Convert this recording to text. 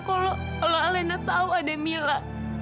kalau dia tahu apa yang terjadi pada mila